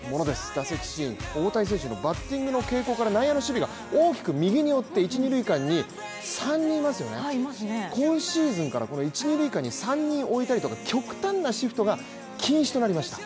打席シーン、大谷選手のバッティングの傾向から内野の守備が大きく右に寄って一・二塁間に３人いますよね、今シーズンからこの一・二塁間に３人置いたりとか極端なシフトが禁止となりました。